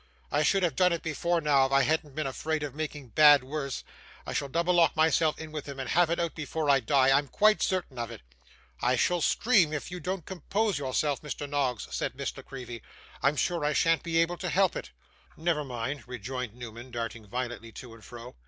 I should have done it before now, if I hadn't been afraid of making bad worse. I shall double lock myself in with him and have it out before I die, I'm quite certain of it.' 'I shall scream if you don't compose yourself, Mr. Noggs,' said Miss La Creevy; 'I'm sure I shan't be able to help it.' 'Never mind,' rejoined Newman, darting violently to and fro.